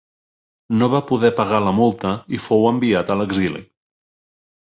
No va poder pagar la multa i fou enviat a l'exili.